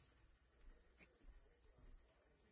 This made the Ruvi small enough to keep inside a shirt pocket.